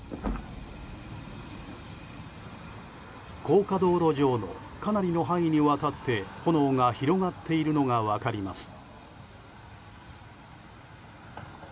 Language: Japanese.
高架道路上のかなりの範囲にわたって炎が広がっているのが分かります。